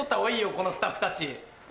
このスタッフたち。